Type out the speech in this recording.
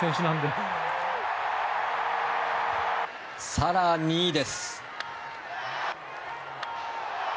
更にです。